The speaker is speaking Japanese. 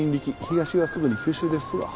東はすぐに吸収ですわ。